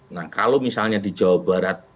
nah kalau misalnya di jawa barat